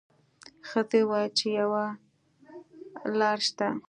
ښځې وویل چې یوه لار شته.